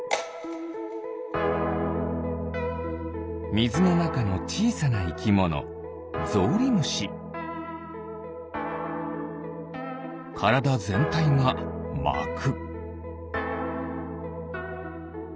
みずのなかのちいさないきものからだぜんたいがまく。